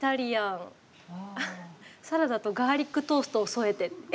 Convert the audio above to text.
「サラダとガーリックトーストを添えて」。